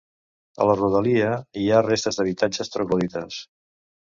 A la rodalia hi ha restes d'habitatges troglodites.